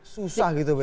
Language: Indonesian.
susah gitu pak